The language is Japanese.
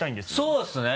そうですね！